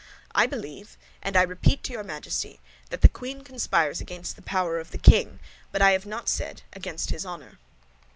"I believe, and I repeat it to your Majesty, that the queen conspires against the power of the king, but I have not said against his honor."